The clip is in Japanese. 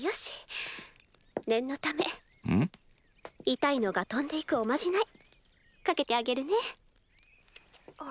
痛いのが飛んでいくおまじないかけてあげるね。